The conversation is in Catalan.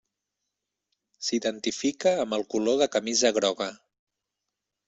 S’identifica amb el color de camisa groga.